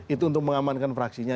itu untuk mengamankan fraksinya